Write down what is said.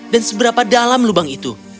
dan seberapa dalam lubang itu